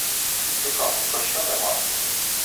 Цікаво, про що ви марили?